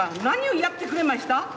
何をやってくれました？